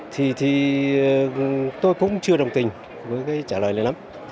thì tôi cũng chưa đồng tình với cái trả lời này lắm